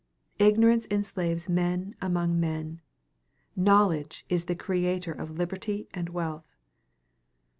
Ignorance enslaves men among men; knowledge is the creator of liberty and wealth.